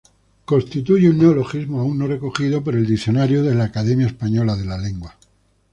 Constituye un neologismo aún no recogido por el diccionario de la Real Academia Española.